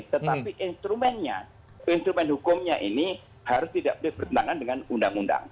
tetapi instrumennya instrumen hukumnya ini harus tidak boleh bertentangan dengan undang undang